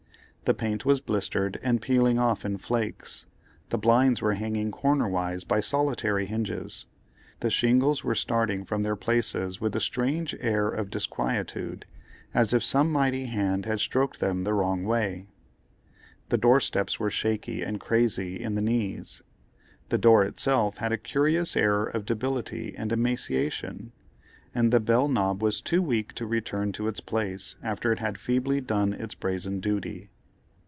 The paint was blistered and peeling off in flakes; the blinds were hanging cornerwise by solitary hinges; the shingles were starting from their places with a strange air of disquietude, as if some mighty hand had stroked them the wrong way; the door steps were shaky and crazy in the knees; the door itself had a curious air of debility and emaciation, and the bell knob was too weak to return to its place after it had feebly done its brazen duty.